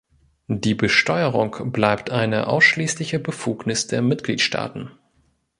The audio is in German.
Die Besteuerung bleibt eine ausschließliche Befugnis der Mitgliedstaaten.